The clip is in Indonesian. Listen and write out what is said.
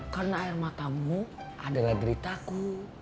karena air matamu adalah deritaku